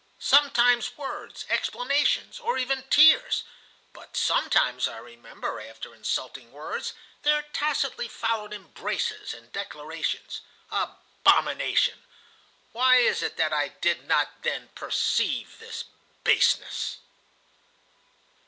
"Sometimes words, explanations, or even tears, but sometimes, I remember, after insulting words, there tacitly followed embraces and declarations. Abomination! Why is it that I did not then perceive this baseness?"